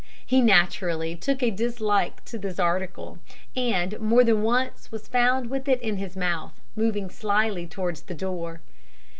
He naturally took a dislike to this article, and more than once was found with it in his mouth, moving slyly towards the door.